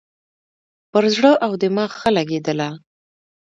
پر زړه او دماغ ښه لګېدله.